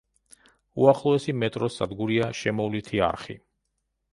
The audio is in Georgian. უახლოესი მეტროს სადგურია „შემოვლითი არხი“.